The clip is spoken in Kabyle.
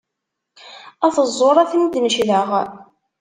At ẓẓur ad ten-id-necdeɣ.